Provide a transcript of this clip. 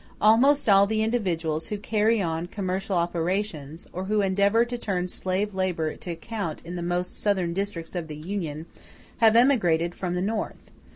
Almost all the individuals who carry on commercial operations, or who endeavor to turn slave labor to account in the most Southern districts of the Union, have emigrated from the North.